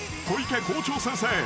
小池校長先生］